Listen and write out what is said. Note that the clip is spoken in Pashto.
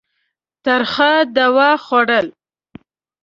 ترخه دوا خوړل.